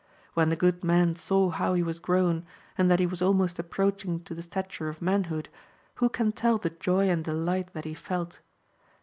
When the good man saw how he was grown, and that he was almost approaching to the stature of manhood, who can tell the joy and delight that he felt